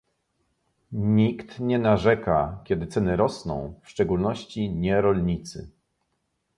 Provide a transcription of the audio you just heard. Nikt nie narzeka, kiedy ceny rosną, w szczególności nie rolnicy